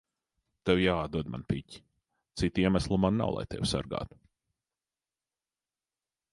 Tev jāatdod man piķi. Cita iemesla man nav, lai tevi sargātu.